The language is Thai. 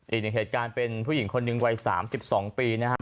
อีกหนึ่งเหตุการณ์เป็นผู้หญิงคนหนึ่งวัย๓๒ปีนะครับ